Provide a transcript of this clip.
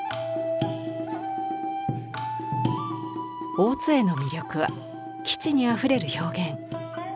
大津絵の魅力は機知にあふれる表現。